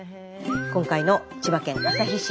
今回の千葉県旭市。